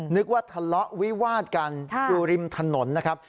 นึกว่าทะเลาะวิวาดกันอยู่ริมถนนนะครับ